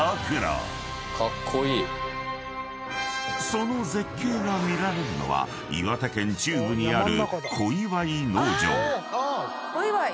［その絶景が見られるのは岩手県中部にある］